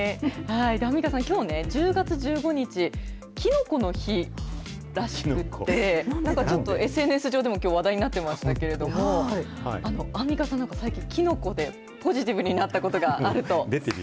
きょうね、１０月１５日、きのこの日らしくって、ちょっとＳＮＳ上でもきょう、話題になってましたけれども、アンミカさん、なんか最近、きのこでポジティブになったことがあると。